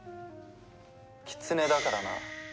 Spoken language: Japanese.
キツネだからな。